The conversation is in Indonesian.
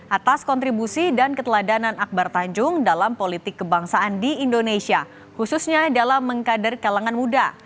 atas kontribusi dan keteladanan akbar tanjung dalam politik kebangsaan di indonesia khususnya dalam mengkader kalangan muda